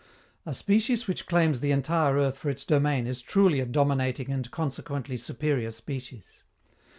A species which claims the entire earth for its domain is truly a dominating and consequently superior species.